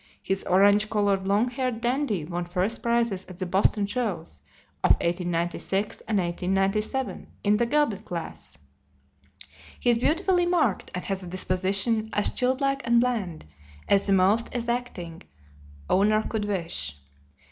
His orange colored, long haired Dandy won first prizes at the Boston shows of 1896 and 1897 in the gelded class. He is beautifully marked, and has a disposition as "childlike and bland" as the most exacting owner could wish.